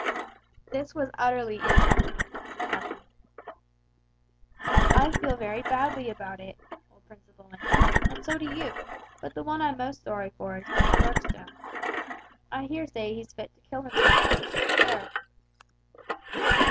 This was utterly incomprehensible to Dudley. "I feel very badly about it," old Principle went on, "and so do you, but the one I'm most sorry for is Ben Burkstone. I hear say he's fit to kill himself with despair!"